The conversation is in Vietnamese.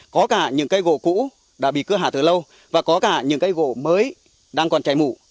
có cả những cây gỗ cũ đã bị cưa hạ từ lâu và có cả những cây gỗ mới đang còn cháy mủ